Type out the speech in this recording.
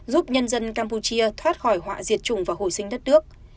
giúp nhân dân campuchia thoát khỏi họa diệt chủng và hồi sinh đất nước